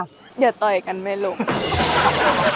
เดี๋ยวต่อยกันไหมลูก